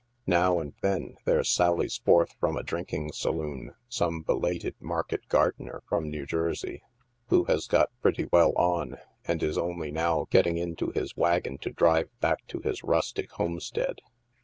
Now and then there sallies forth from a drinking saloon some belated m irket gardener from New Jersey, who has got "pretty well on," and is only now getting into his wagon to drive back to his rustic homestead.